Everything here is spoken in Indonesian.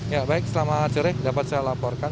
ya baik selamat sore dapat saya laporkan